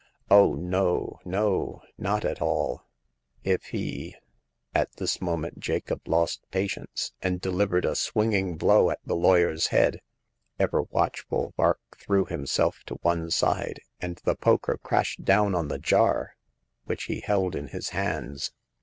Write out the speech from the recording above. Oh, no, no, not at all ! If he " At this moment Jacob lost patience, and de livered a swinging blow at the lawyer's head. Ever watchful, Vark threw himself to one side, and the poker crashed down on the jar, which he held in his hands.